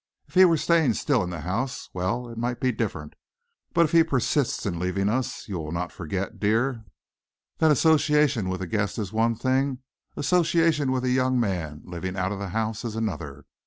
If he were staying still in the house, well, it might be different. But if he persists in leaving us, you will not forget, dear, that association with a guest is one thing; association with a young man living out of the house is another.